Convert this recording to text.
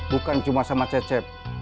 bukan cuma sama cecep